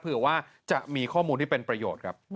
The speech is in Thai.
เผื่อว่าจะมีข้อมูลที่เป็นประโยชน์ครับ